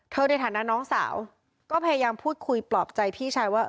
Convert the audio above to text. ในฐานะน้องสาวก็พยายามพูดคุยปลอบใจพี่ชายว่า